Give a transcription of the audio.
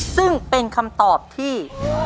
ซึ่งเป็นคำตอบที่